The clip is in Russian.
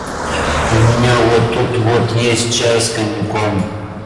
У меня вот тут вот есть чай с коньяком.